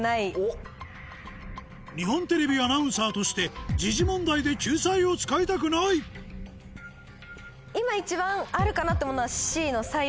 日本テレビアナウンサーとして時事問題で救済を使いたくない今一番あるかなって思うのは。